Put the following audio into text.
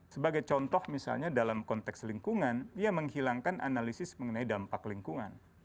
sebagai contoh misalnya dalam konteks lingkungan dia menghilangkan analisis mengenai dampak lingkungan